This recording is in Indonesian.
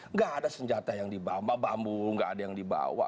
nggak ada senjata yang dibawa bambu nggak ada yang dibawa